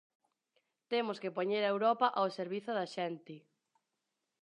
Temos que poñer a Europa ao servizo da xente.